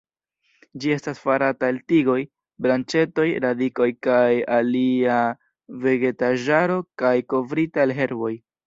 Ĝi estas farata el tigoj, branĉetoj, radikoj kaj alia vegetaĵaro kaj kovrita el herboj.